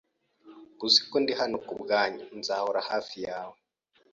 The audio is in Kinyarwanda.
Uzi ko ndi hano kubwanyu, nzahora hafi yawe